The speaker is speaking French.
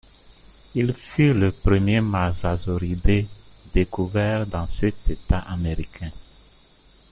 Il fut le premier Mosasauridae découvert dans cet État américain.